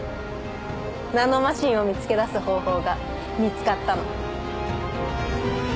ナノマシンを見つけ出す方法が見つかったの。